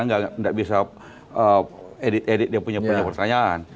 nggak bisa edit elit dia punya pertanyaan